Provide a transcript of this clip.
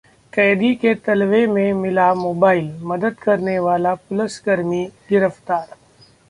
कैदी के तलवे में मिला मोबाइल, मदद करने वाला पुलिसकर्मी गिरफ्तार